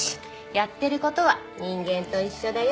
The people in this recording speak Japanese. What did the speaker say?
やってる事は人間と一緒だよ。